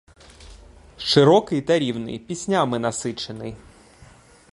Широкий та рівний, піснями насичений.